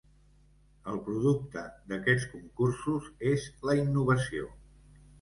El producte d'aquests concursos és la innovació.